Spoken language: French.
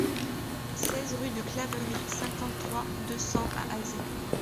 seize rue de la Claverie, cinquante-trois, deux cents à Azé